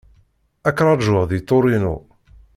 Ad k-ṛjuɣ deg Torino.